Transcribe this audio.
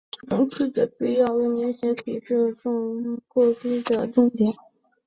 厌食症确诊的必要条件为明显过低的体重。